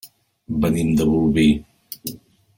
Venim de Bolvir.